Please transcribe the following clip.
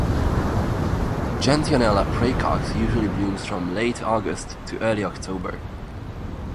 Gentianella praecox usually blooms from late August to early October.